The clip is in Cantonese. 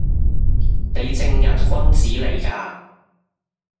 你正人君子嚟㗎